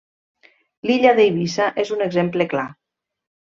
L'illa d'Eivissa és un exemple clar.